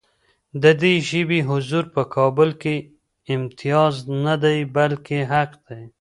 د دې ژبې حضور په کابل کې امتیاز نه دی، بلکې حق دی.